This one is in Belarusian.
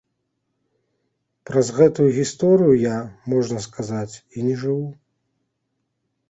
Праз гэтую гісторыю я, можна сказаць, і не жыву.